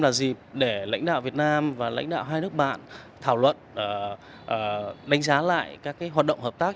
là dịp để lãnh đạo việt nam và lãnh đạo hai nước bạn thảo luận đánh giá lại các hoạt động hợp tác